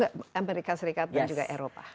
ke amerika serikat dan juga eropa